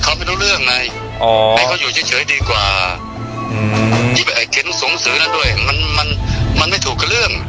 อาเทนสงสือนั้นด้วยมันไม่ถูกเรื่อง